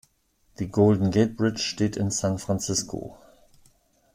Die Golden Gate Bridge steht in San Francisco.